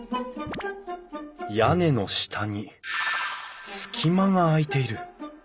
屋根の下に隙間が空いている。